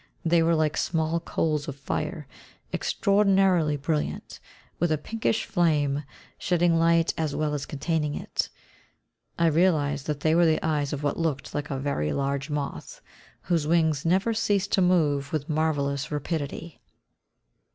They were like small coals of fire, extraordinarily brilliant, with a pinkish flame, shedding light as well as containing it. I realised that they were the eyes of what looked like a very large moth, whose wings never ceased to move with marvellous rapidity.